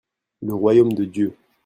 le Royaume de Dieu.